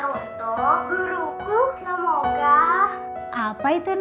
untuk guru guru semoga pandemi tak berlalu